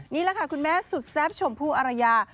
นี่คุณแม่ค่ะสุดแซ่บชมพู่อารยา